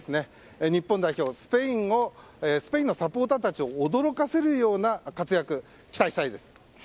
日本代表、スペインのサポーターたちを驚かせるような活躍を期待したいです。